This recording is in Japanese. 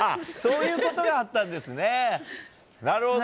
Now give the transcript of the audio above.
そういうことがあったんですね。